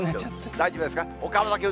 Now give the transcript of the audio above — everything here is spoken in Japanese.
大丈夫ですか？